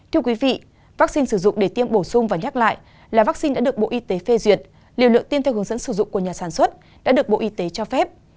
thưa quý vị vaccine sử dụng để tiêm bổ sung và nhắc lại là vaccine đã được bộ y tế phê duyệt liều lượng tiêm theo hướng dẫn sử dụng của nhà sản xuất đã được bộ y tế cho phép